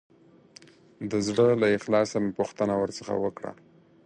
د زړه له اخلاصه مې پوښتنه ورڅخه وکړه.